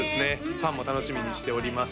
ファンも楽しみにしております